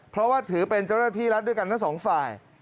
เพราะว่าถือเป็นเจ้าหน้าที่รัฐด้วยกันทั้งสองฝ่าย